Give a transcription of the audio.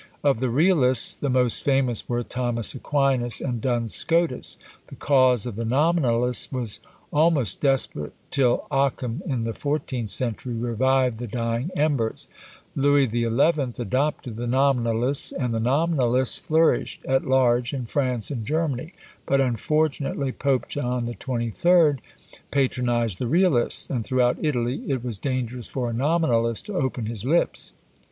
Of the Realists the most famous were Thomas Aquinas and Duns Scotus. The cause of the Nominalists was almost desperate, till Occam in the fourteenth century revived the dying embers. Louis XI. adopted the Nominalists, and the Nominalists flourished at large in France and Germany; but unfortunately Pope John XXIII. patronised the Realists, and throughout Italy it was dangerous for a Nominalist to open his lips.